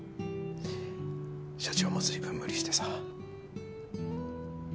社長も随分無理してさ。